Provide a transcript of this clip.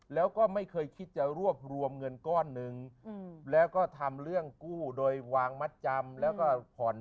แล้วก็ไม่เคยคิดจะรวบรวมเงินก้อนหนึ่งแล้วก็ทำเรื่องกู้โดยวางมัดจำแล้วก็ผ่อน